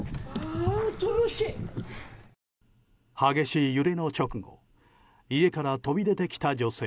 激しい揺れの直後家から飛び出てきた女性。